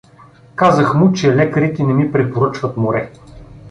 Казах му, че лекарите не ми препоръчват море.